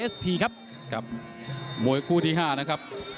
สุดยอดครับหมวยหู้ที่๕นะครับ